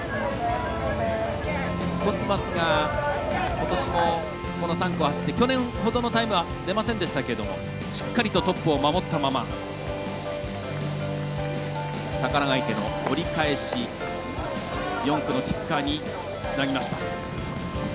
コスマスがことしもこの３区を走って去年ほどのタイムは出ませんでしたけれどもしっかりとトップを守ったまま宝ヶ池の折り返し、４区の吉川につなぎました。